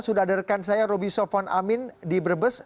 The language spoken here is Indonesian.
sudah ada rekan saya roby sofon amin di brebes